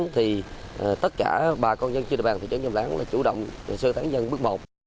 thì tất cả bà con dân trên địa bàn thị trấn nhân láng là chủ động sơ tán dân bước một